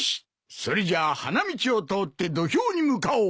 それじゃあ花道を通って土俵に向かおう！